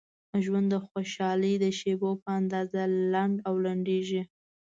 ژوند د خوشحالۍ د شیبو په اندازه لنډ او لنډیږي.